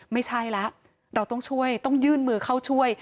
ไม่ใช่แล้วเราต้องช่วยต้องยื่นมือเข้าช่วย